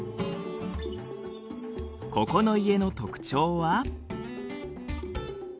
ここの家の特徴は。